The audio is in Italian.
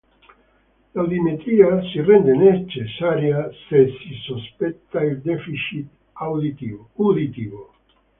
L'audiometria si rende necessaria se si sospetta il deficit uditivo.